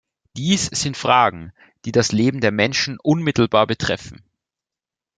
Dies sind Fragen, die das Leben der Menschen unmittelbar betreffen.